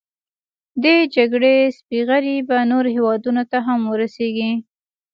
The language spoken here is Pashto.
دې جګړې سپرغۍ به نورو هیوادونو ته هم ورسیږي.